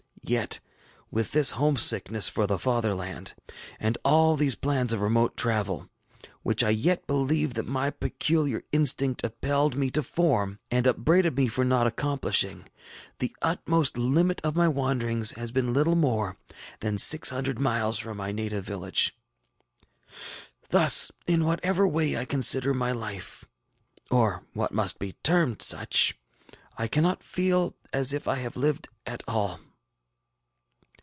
Yet, with this homesickness for the father land, and all these plans of remote travel, which I yet believe that my peculiar instinct impelled me to form, and upbraided me for not accomplishing, the utmost limit of my wanderings has been little more than six hundred miles from my native village. Thus, in whatever way I consider my life, or what must be termed such, I cannot feel as if I had lived at all.